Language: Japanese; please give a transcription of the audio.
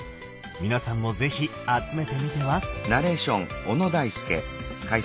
皆さんも是非集めてみては？